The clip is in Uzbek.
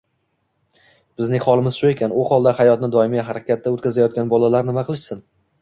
Bizning holimiz shu ekan, u holda hayotini doimiy harakatda o‘tkazayotgan bolalar nima qilishsin?